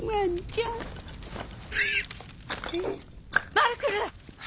マルクル！